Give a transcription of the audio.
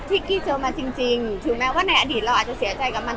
กี้เจอมาจริงถึงแม้ว่าในอดีตเราอาจจะเสียใจกับมัน